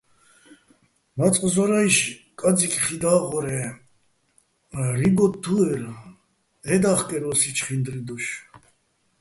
მაწყ ზორაჲში̆ კაძიკ ხი და́ღორ-ე რიგ ოთთუ́ერ, ჺედა́ხკერ ო́სი ჩხინდურ დოშ.